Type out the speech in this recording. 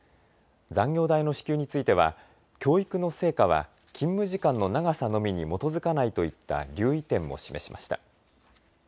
残業代の支給については教育の成果は勤務時間の長さのみに基づかないといった留意点も示しました。